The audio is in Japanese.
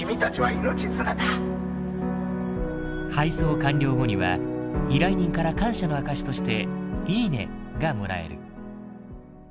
配送完了後には依頼人から感謝の証しとして「いいね」がもらえる。